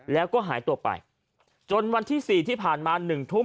แล้วก็หายตัวไปจนวันที่๔ที่ผ่านมา๑ทุ่ม